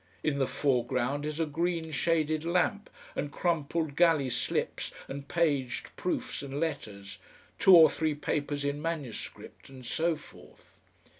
In the foreground is a green shaded lamp and crumpled galley slips and paged proofs and letters, two or three papers in manuscript, and so forth.